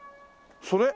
それ？